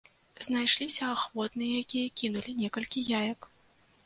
Знайшліся ахвотныя, якія кінулі некалькі яек.